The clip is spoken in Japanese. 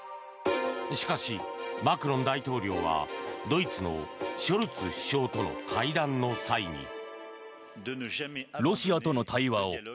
しかし、マクロン大統領はドイツのショルツ首相との会談の際に。